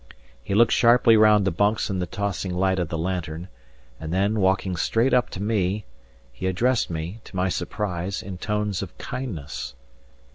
He looked sharply round the bunks in the tossing light of the lantern; and then, walking straight up to me, he addressed me, to my surprise, in tones of kindness.